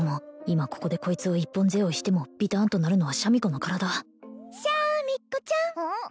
今ここでこいつを一本背負いしてもビターンとなるのはシャミ子の体シャミ子ちゃんうん？